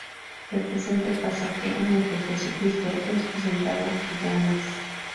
Representa el pasaje en el que Jesucristo es presentado ante Anás.